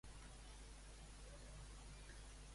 On en té sempre una l'interlocutor segons en Guim?